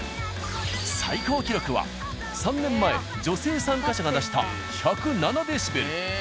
最高記録は３年前女性参加者が出した１０７デシベル。